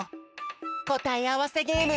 こたえあわせゲーム。